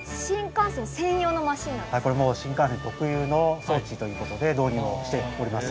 これもう新幹線特有の装置ということで導入をしております